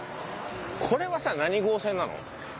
これはさ何号線なの？